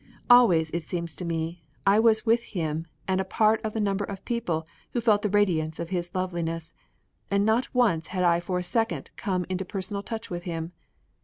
Always it seemed to me I was with him and a part of a number of people who felt the radiance of his loveliness, and not once had I for a second come into personal touch with him.